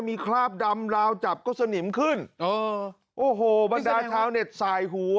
มีคราบดำราวจับก็สนิมขึ้นเออโอ้โหบรรดาชาวเน็ตสายหู